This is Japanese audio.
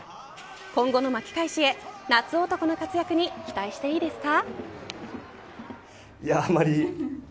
今後の巻き返しへ夏男の活躍に期待していいですか。